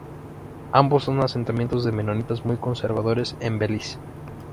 Ambos son asentamientos de menonitas muy conservadores en Belice.